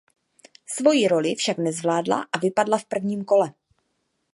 Svoji roli však nezvládla a vypadla v prvním kole.